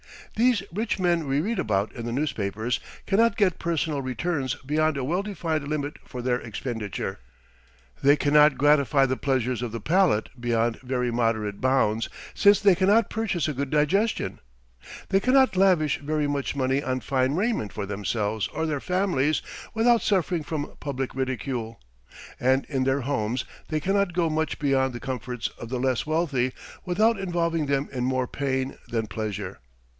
These rich men we read about in the newspapers cannot get personal returns beyond a well defined limit for their expenditure. They cannot gratify the pleasures of the palate beyond very moderate bounds, since they cannot purchase a good digestion; they cannot lavish very much money on fine raiment for themselves or their families without suffering from public ridicule; and in their homes they cannot go much beyond the comforts of the less wealthy without involving them in more pain than pleasure.